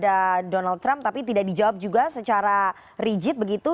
dari biden kepada donald trump tapi tidak dijawab juga secara rigid begitu